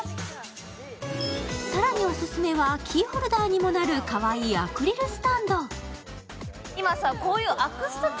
更にオススメはキーホルダーにもなるかわいいアクリルスタンド。